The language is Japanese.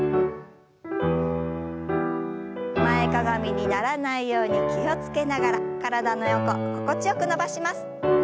前かがみにならないように気を付けながら体の横心地よく伸ばします。